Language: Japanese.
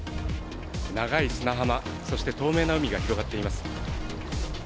長い砂浜、そして透明な海が広がっています。